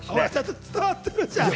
伝わってるじゃん。